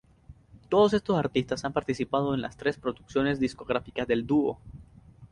Todos estos artistas han participado en las tres producciones discográficas del dúo.